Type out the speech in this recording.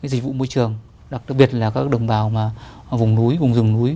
cái dịch vụ môi trường đặc biệt là các đồng bào mà vùng núi vùng rừng núi